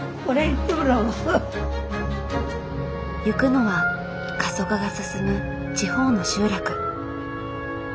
行くのは過疎化が進む地方の集落。